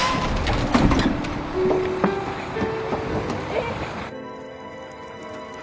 えっ？